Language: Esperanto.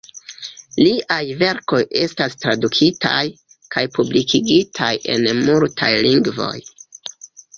Liaj verkoj estas tradukitaj kaj publikigitaj en multaj lingvoj.